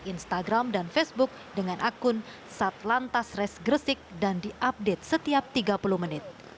instagram dan facebook dengan akun satlantas res gresik dan diupdate setiap tiga puluh menit